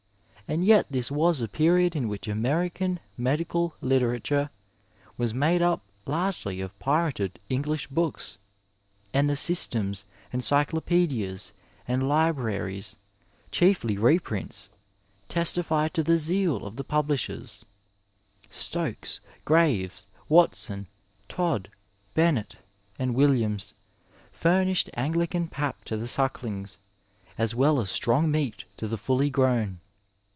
And yet this was a period in which American medical literature was made up largely of pirated English books, and the systems, encyclopedias, and libraries^ chi^y reprints, testify to the zeal of the 189 Digitized by VjOOQiC BRITISH MEDICINE IN GREATER BRITAIN pablishen. Stokes, Graves, Watson, Todd, Bennett, and Williams, famished AngliPAn pap to the sucklings, as well as strong meat to the full grown.